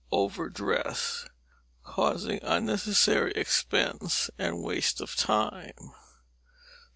Overdress; causing unnecessary expense and waste of time.